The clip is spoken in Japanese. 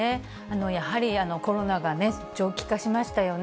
やはりコロナが長期化しましたよね。